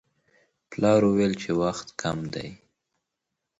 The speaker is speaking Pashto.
پلار وویل چې وخت کم دی.